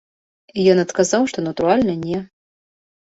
Ён адказаў, што, натуральна, не.